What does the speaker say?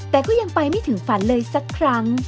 แต่ก็ยังไปไม่ถึงฝันเลยสักครั้ง